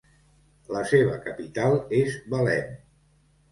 La seva capital és Belém.